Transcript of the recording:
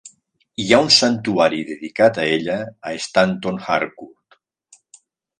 Hi ha un santuari dedicat a ella a Stanton Harcourt.